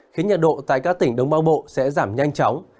khiến nhiệt độ tại các tỉnh đông bắc bộ sẽ giảm nhanh chóng